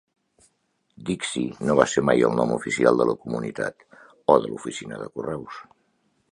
Dixie no va ser mai el nom oficial de la comunitat o de l'oficina de correus.